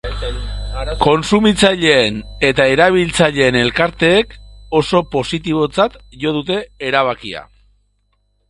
Kontsumitzaileen eta erabiltzaileen elkarteek oso positibotzat jo dute erabakia.